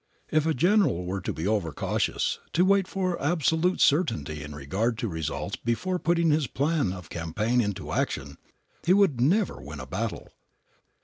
If a general were to be over cautious, to wait for absolute certainty in regard to results before putting his plan of campaign into action, he would never win a battle.